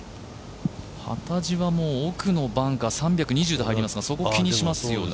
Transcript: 幡地は奥のバンカー、３２０で入りますが、そこを気にしますよね。